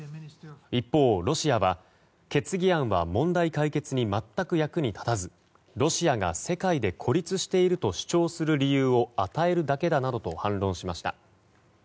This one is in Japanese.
一方、ロシアは決議案は問題解決に全く役に立たずロシアが世界で孤立していると主張する理由を与えるだけだなどと反論しました。